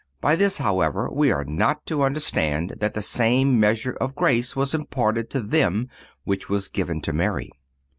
By this, however, we are not to understand that the same measure of grace was imparted to them which was given to Mary.